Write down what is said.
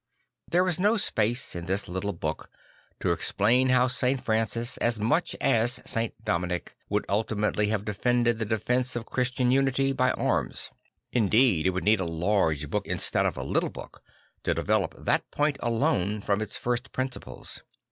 There is no space in this little book to explain how St, Francis, as much as St. Dominic, would ultimately have defended the defence of Christian unity by arms. Indeed it would need a large book instead of a little book to develop that point alone from its first principles.